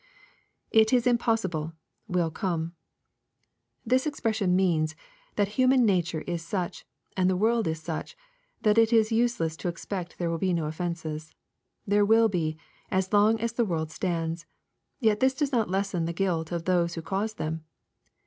[It is i7npossible,.,w%R come.] This expression means, that human nature is such, and the world is such, that it is useless to expect there will be no ofiFences. There will be, as long as the world stands. Yet this does not lessen the guilt of those who cause them.